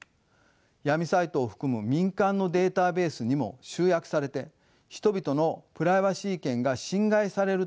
闇サイトを含む民間のデータベースにも集約されて人々のプライバシー権が侵害されるという事態を招きます。